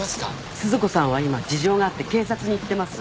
鈴子さんは今事情があって警察に行ってます